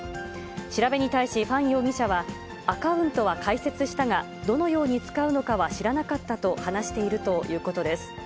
調べに対し、ファン容疑者は、アカウントは開設したが、どのように使うのかは知らなかったと話しているということです。